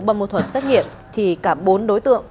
bơm ma thuật xét nghiệm thì cả bốn đối tượng